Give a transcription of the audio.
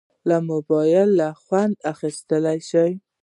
له موبایله خوند اخیستیلی شې.